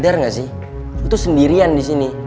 lo tuh nyadar gak sih lo tuh sendirian disini